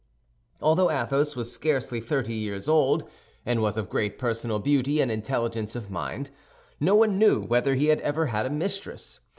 Although Athos was scarcely thirty years old, and was of great personal beauty and intelligence of mind, no one knew whether he had ever had a mistress.